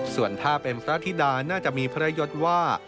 ส่วนถ้าเป็นพระธิดาน่าจะมีพระยศว่า